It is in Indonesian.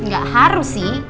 gak harus sih